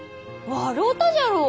笑うたじゃろう。